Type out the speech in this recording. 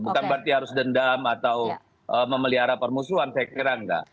bukan berarti harus dendam atau memelihara permusuhan saya kira enggak